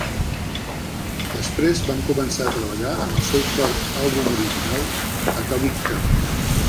Després van començar a treballar en el seu quart àlbum original "Atomic Heart".